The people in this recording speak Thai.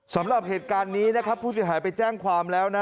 สำหรับเหตุการณ์นี้นะครับผู้เสียหายไปแจ้งความแล้วนะ